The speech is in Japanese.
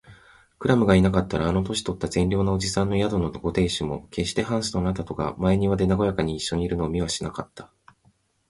クラムがいなかったら、あの年とった善良な伯父さんの宿のご亭主も、けっしてハンスとあなたとが前庭でなごやかにいっしょにいるのを見はしなかった